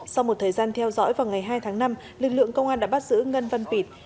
sau một thời gian theo dõi vào ngày hai tháng năm lực lượng công an đã bắt giữ ngân văn pịt